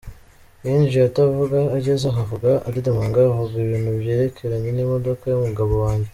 Yinjiye atavuga, ageze aho avuga adedemanga avuga ibintu byerekeranye n’imodoka y’umugabo wange.